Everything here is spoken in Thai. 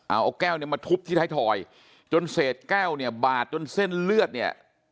เอาแก้วเนี่ยมาทุบที่ไทยทอยจนเศษแก้วเนี่ยบาดจนเส้นเลือดเนี่ย